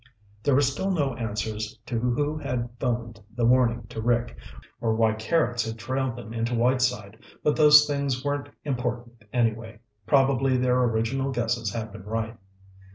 There were still no answers to who had phoned the warning to Rick, or why Carrots had trailed them into Whiteside, but those things weren't important, anyway. Probably their original guesses had been right.